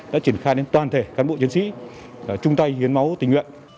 đã triển khai đến toàn thể cán bộ chiến sĩ chung tay hiến máu tình nguyện